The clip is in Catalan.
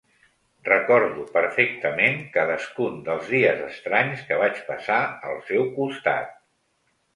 Recordo perfectament cadascun dels dies estranys que vaig passar al seu costat.